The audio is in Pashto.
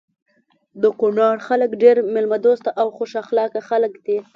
د کونړ خلک ډير ميلمه دوسته او خوش اخلاقه خلک دي.